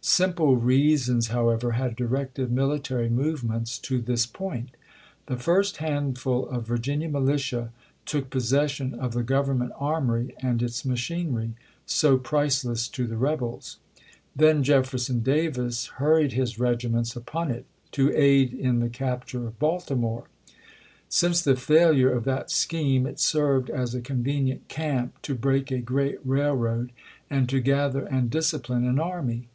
Simple reasons, however, had directed military movements to this point. The first handful of Virginia militia took possession of the Government armory and its machinery, so priceless to the rebels. Then Jefferson Davis hurried his regiments upon it to aid in the capture of Baltimore. Since the failure of that scheme, it served as a convenient camp to break a great railroad and to gather and disci pline an army.